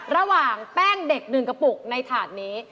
ระหว่างแป้งเด็ก๑กระปุกในถาดนี้